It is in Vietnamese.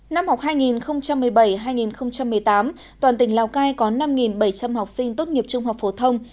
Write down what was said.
năm học hai nghìn một mươi bảy hai nghìn một mươi tám toàn tỉnh lào cai có năm bảy trăm linh học sinh tốt nghiệp trung học phổ thông